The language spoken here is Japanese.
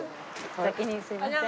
お先にすみません。